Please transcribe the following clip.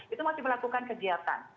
itu masih melakukan kegiatan